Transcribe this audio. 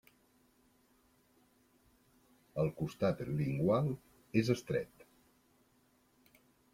El costat lingual és estret.